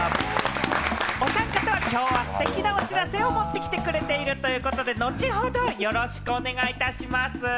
おさん方はきょうはステキなお知らせを持ってきてくれているということで、後ほどよろしくお願いいたします。